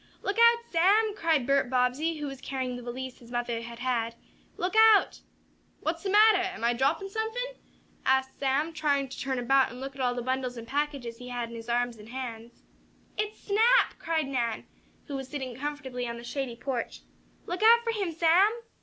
"Look out, Sam!" called Bert Bobbsey, who was carrying the valise his mother had had. "Look out!" "What's de mattah? Am I droppin' suffin?" asked Sam, trying to turn about and look at all the bundles and packages he had in his arms and hands. "It's Snap!" cried Nan, who was sitting comfortably on the shady porch. "Look out for him, Sam."